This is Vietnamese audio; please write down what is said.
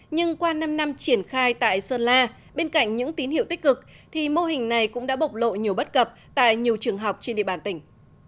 nhưng qua năm năm triển khai tại sơn la bên cạnh những tín hiệu tích cực thì mô hình này cũng đã bộc lộ nhiều bất cập tại nhiều trường học trên địa bàn tỉnh